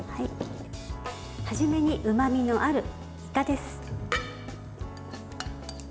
初めにうまみのある、いかです。